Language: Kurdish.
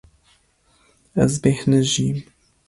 Ez bêhnijîm.